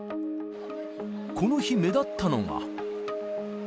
この日、目立ったのが。